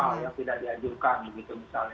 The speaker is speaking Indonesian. yang tidak diajukan